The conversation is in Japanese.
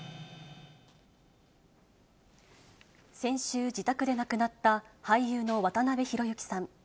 先週、自宅で亡くなった、俳優の渡辺裕之さん。